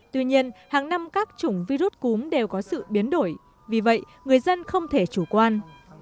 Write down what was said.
tuy nhiên hàng năm các chủng virus cúm đều có sự biến đổi vì vậy người dân không thể chủ quan